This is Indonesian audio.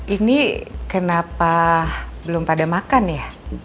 ini kenapa belum pada makan ya